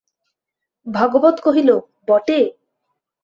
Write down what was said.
ভাগবত কহিল, বটে?